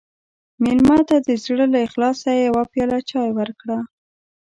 مېلمه ته د زړه له اخلاصه یوه پیاله چای ورکړه.